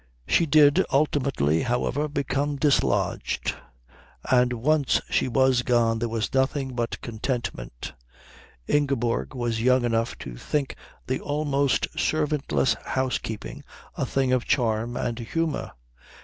She did ultimately, however, become dislodged, and once she was gone there was nothing but contentment. Ingeborg was young enough to think the almost servantless housekeeping a thing of charm and humour.